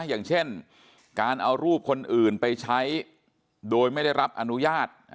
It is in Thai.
อย่างเช่นการเอารูปคนอื่นไปใช้โดยไม่ได้รับอนุญาต